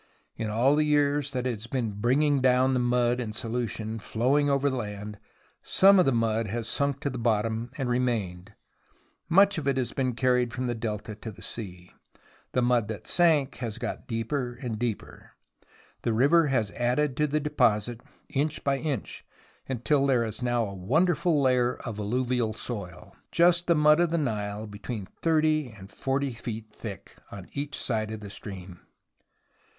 In all the years that it has been bringing down the mud in solution, flowing over the land, some of the mud has sunk to the bottom and remained ; much of it has been carried from the Delta to the sea. The mud that sank has got deeper and deeper. The river has added to the deposit inch by inch, until there is now a wonderful layer of alluvial soil : just the mud of the Nile, between 30 and 40 feet thick on each side of the stream.